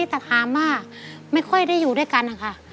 แต่ถามว่าไม่ค่อยได้อยู่ด้วยกันนะคะ